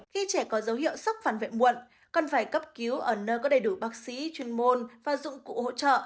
khi trẻ có dấu hiệu sốc phản vệ muộn cần phải cấp cứu ở nơi có đầy đủ bác sĩ chuyên môn và dụng cụ hỗ trợ